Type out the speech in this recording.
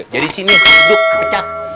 jadi sini duk pecat